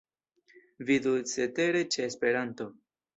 Vidu cetere ĉe Esperanto.